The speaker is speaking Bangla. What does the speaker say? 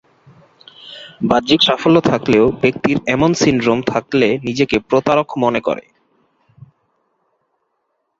বাহ্যিক সাফল্য থাকলেও ব্যক্তির এমন সিনড্রোম থাকলে নিজেকে প্রতারক মনে করে।